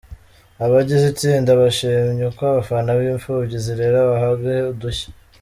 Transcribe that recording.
Abagize itsinda bashimye uko abana b’imfubyi zirera bahanga udushya